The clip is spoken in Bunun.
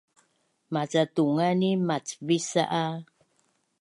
Maca tunganin macvis a